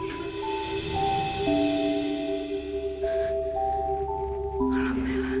makanya pikir kamu perlisah ya